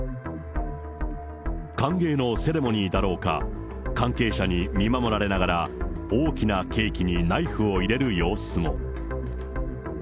歓迎のセレモニーだろうか、関係者に見守られながら、大きなケーキにナイフを入れる様子も。